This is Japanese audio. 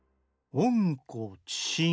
「おんこちしん」。